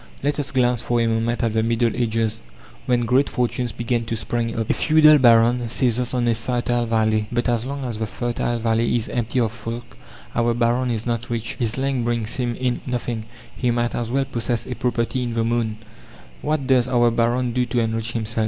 Let us glance for a moment at the Middle Ages, when great fortunes began to spring up. A feudal baron seizes on a fertile valley. But as long as the fertile valley is empty of folk our baron is not rich. His land brings him in nothing; he might as well possess a property in the moon. What does our baron do to enrich himself?